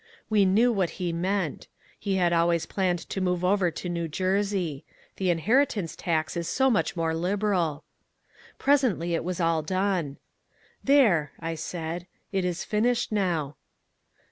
We knew what he meant. He had always planned to move over to New Jersey. The inheritance tax is so much more liberal. "Presently it was all done. "'There,' I said, 'it is finished now.'